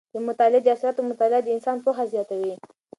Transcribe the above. د مطالعې د اثراتو مطالعه د انسان پوهه زیاته وي.